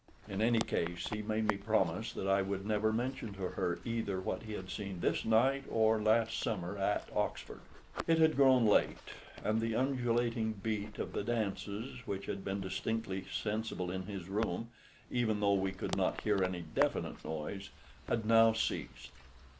In any case, he made me promise that I would never mention to her either what he had seen this night or last summer at Oxford. It had grown late, and the undulating beat of the dances, which had been distinctly sensible in his room even though we could not hear any definite noise had now ceased.